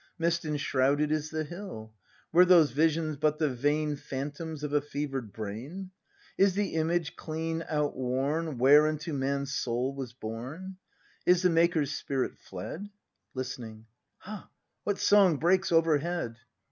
Mist enshrouded is the hill. Were those visions but the vain Phantoms of a fever'd brain ? Is the image clean outworn Whereunto Man's soul was born? Is the Maker's spirit fled [Liste7iing .] Ha, what song breaks overhead